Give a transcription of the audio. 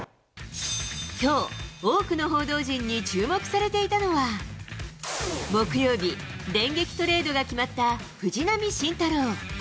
きょう、多くの報道陣に注目されていたのは、木曜日、電撃トレードが決まった藤浪晋太郎。